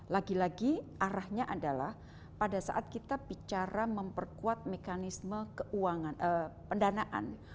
lagi lagi arahnya adalah pada saat kita bicara memperkuat mekanisme pendanaan